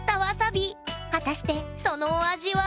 果たしてそのお味は？